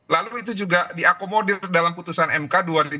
lalu itu juga diakomodir dalam putusan mk dua ribu tujuh belas